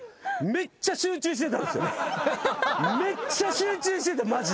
めっちゃ集中してたマジで。